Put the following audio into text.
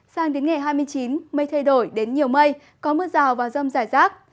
sang đến ngày hai mươi chín mây thay đổi đến nhiều mây có mưa rào và rông rải rác